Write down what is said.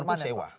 iya perlaku sewa